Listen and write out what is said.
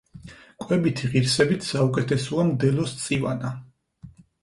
კვებითი ღირსებით საუკეთესოა მდელოს წივანა.